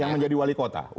yang menjadi wali kota